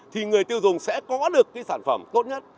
thì người tiêu dùng sẽ có được cái sản phẩm tốt nhất